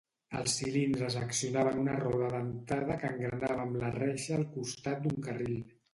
Els cilindres accionaven una roda dentada que engranava amb la reixa al costat d"un carril.